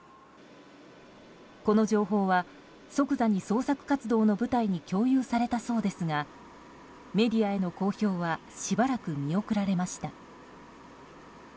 この情報は、即座に捜索活動の部隊に共有されたそうですがメディアへの公表はしばらく見送られました。